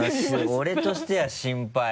俺としては心配。